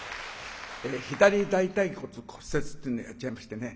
左大たい骨骨折っていうのやっちゃいましてね